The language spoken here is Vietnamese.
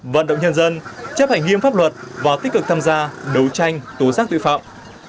vận động nhân dân chấp hành nghiêm pháp luật và tích cực tham gia đấu tranh tố giác tội phạm